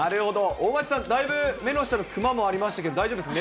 大町さん、だいぶ目の下のくまもありましたけれども、大丈夫ですか？